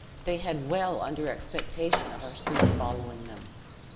They had well under expectation of our soon following them.